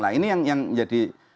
nah ini yang menjadi